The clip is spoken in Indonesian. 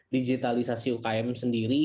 digitalisasi umkm sendiri